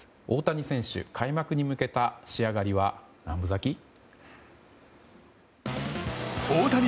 大谷選手、開幕に向けた仕上がりは何分咲き？